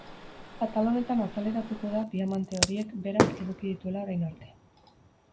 Atal honetan azaleratuko da diamante horiek berak eduki dituela orain arte.